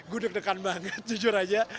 gue deg degan banget jujur aja